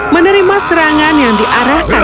menerima serangan yang diarahkan